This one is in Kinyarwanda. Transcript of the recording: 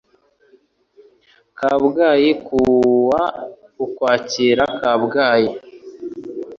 Kabgayi ku wa ukwakira Kabgayi